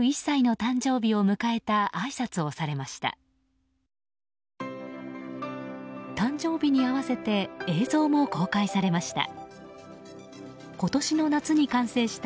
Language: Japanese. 誕生日に合わせて映像も公開されました。